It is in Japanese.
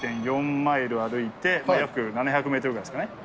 マイル歩いて約７００メートルぐらいですかね。